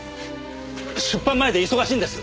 出版前で忙しいんです。